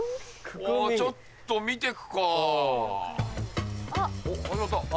ちょっと見てくか。